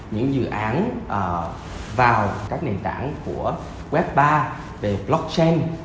những dự án vào các nền tảng của web ba về blockchain